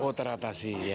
oh teratasi ya